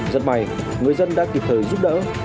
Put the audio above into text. rất may người dân đã kịp thời giúp đỡ